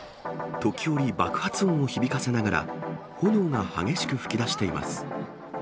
時折、爆発音を響かせながら、炎が激しく噴き出しています。